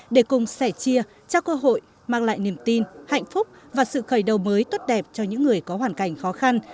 để cùng sẻ chia trao cơ hội mang lại niềm tin hạnh phúc và sự khởi đầu mới tốt đẹp cho những người có hoàn cảnh khó khăn